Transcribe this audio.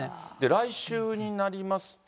来週になりますと。